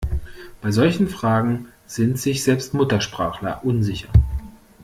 Bei solchen Fragen sind sich selbst Muttersprachler unsicher.